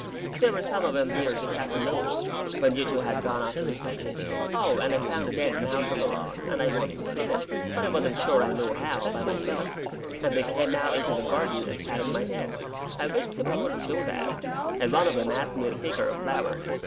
"There were some of 'em here this afternoon, when you two had gone off to the station. Oh, and I found a dead mouse on the lawn, and I wanted to skin it, but I wasn't sure I knew how, by myself; and they came out into the garden and patted my head, I wish people wouldn't do that, and one of 'em asked me to pick her a flower.